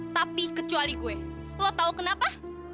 tapi kecuali gue lo tau kenapa